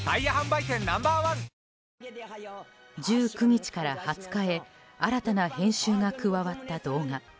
１９日から２０日へ新たな編集が加わった動画。